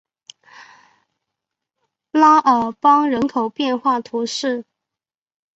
拉尔邦人口变化图示